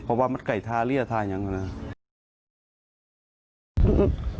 เพราะว่ามันไก่ทาเลือดทายังนะครับ